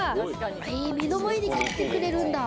目の前で切ってくれるんだ。